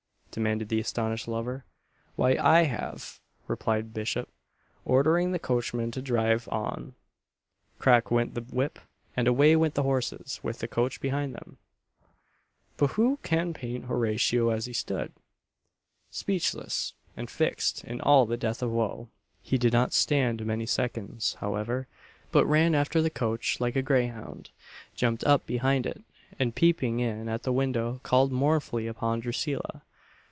demanded the astonished lover. "Why I have," replied Bishop, ordering the coachman to drive on; crack went the whip, and away went the horses with the coach behind them: "But who can paint Horatio as he stood, Speechless and fix'd in all the death of woe!" He did not stand many seconds, however, but ran after the coach like a greyhound, jumped up behind it, and peeping in at the window called mournfully upon Drusilla.